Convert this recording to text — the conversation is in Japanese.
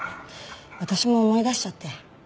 私も思い出しちゃって。